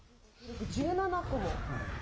１７個も。